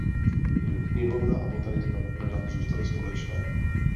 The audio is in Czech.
Jen knihovna a botanická zahrada zůstaly společné.